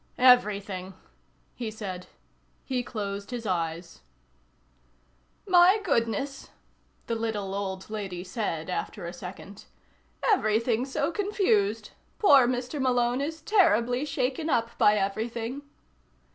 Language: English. "Everything," he said. He closed his eyes. "My goodness," the little old lady said after a second. "Everything's so confused. Poor Mr. Malone is terribly shaken up by everything."